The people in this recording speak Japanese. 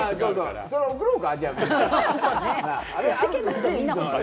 それ贈ろうか？